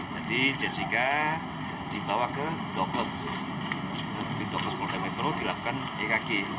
jadi jessica dibawa ke dokter polda metro dilakukan ekg